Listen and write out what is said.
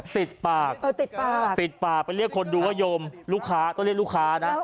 ติดปากติดปากไปเรียกคนดูว่าโยมลูกค้าต้องเรียกลูกค้านะ